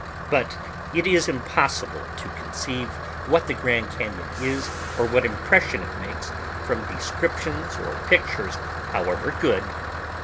But it is impossible to conceive what the cañon is, or what impression it makes, from descriptions or pictures, however good.